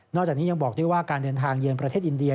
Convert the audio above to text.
จากนี้ยังบอกด้วยว่าการเดินทางเยือนประเทศอินเดีย